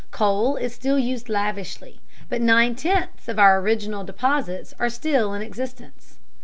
Coal is still used lavishly, but nine tenths of our original deposits are still in existence.